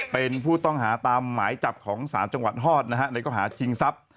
เป็นผู้ต้องหาตามหมายจับของศาลจังหวัดฮอตนะฮะในข้อหาชิงทรัพย์